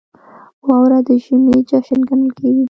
• واوره د ژمي جشن ګڼل کېږي.